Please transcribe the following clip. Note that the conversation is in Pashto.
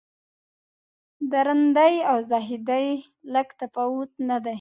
د رندۍ او زاهدۍ لږ تفاوت نه دی.